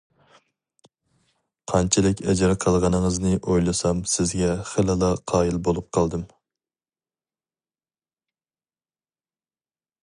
قانچىلىك ئەجىر قىلغىنىڭىزنى ئويلىسام سىزگە خىلىلا قايىل بولۇپ قالدىم.